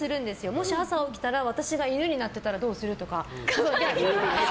もし朝起きたら私が犬になってたらどうする？とか。